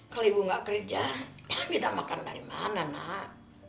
kalau ibu gak kerja kita makan dari mana nak